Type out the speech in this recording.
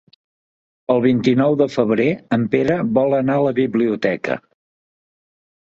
El vint-i-nou de febrer en Pere vol anar a la biblioteca.